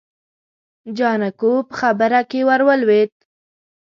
جانکو په خبره کې ور ولوېد.